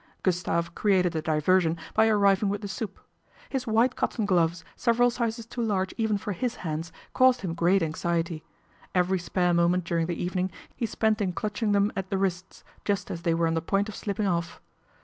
Gustave created a diversion by arriving with the soup. His white cotton gloves, several sizes too large even for his hands, caused him great anxiety. Every spare moment during the evening he spent in clutching them at the wrists, just as they were on the point of slipping off.